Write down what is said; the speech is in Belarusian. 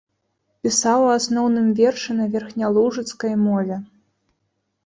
Пісаў у асноўным вершы на верхнялужыцкай мове.